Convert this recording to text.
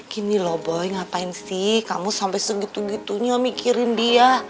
gini loh boy ngapain sih kamu sampai segitu gitunya mikirin dia